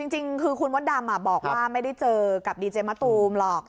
จริงคือคุณมดดำบอกว่าไม่ได้เจอกับดีเจมะตูมหรอก